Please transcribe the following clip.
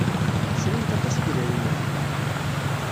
Srint aṭas n yidrimen?